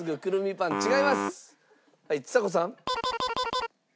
はいちさ子さん。